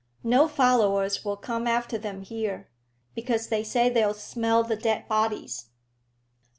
No followers will come after them here, because they say they'll smell the dead bodies."